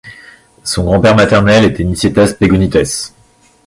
Son grand-père maternel était Nicétas Pégonitès.